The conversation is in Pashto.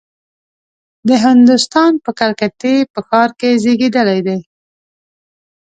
د هندوستان د کلکتې په ښار کې زېږېدلی دی.